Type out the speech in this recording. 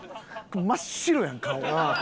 真っ白やん顔。